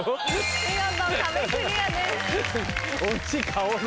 見事壁クリアです。